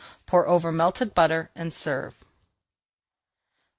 Pour over melted butter and serve.